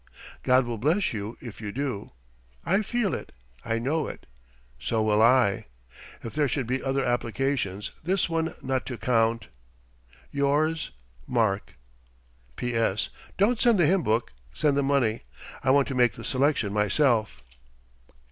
God will bless you if you do; I feel it, I know it. So will I. If there should be other applications this one not to count. Yours MARK P.S. Don't send the hymn book, send the money. I want to make the selection myself.